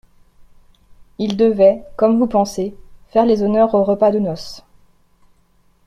Il devait, comme vous pensez, faire les honneurs au repas de noces.